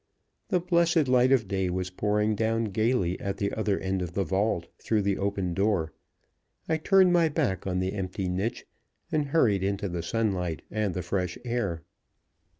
The blessed light of day was pouring down gayly at the other end of the vault through the open door. I turned my back on the empty niche, and hurried into the sunlight and the fresh air.